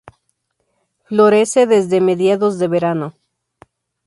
Florece desde mediados de verano.